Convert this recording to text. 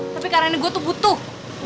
tapi karena ini gue tuh butuh